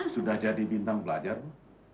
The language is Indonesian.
sudah jadi bintang pelajar bu